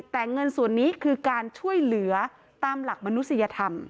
แต่เงินส่วนนี้คือการช่วยเหลือตามหลักมนุษยธรรม